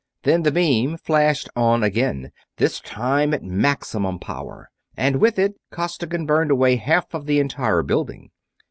Then the beam flashed on again, this time at maximum power, and with it Costigan burned away half of the entire building.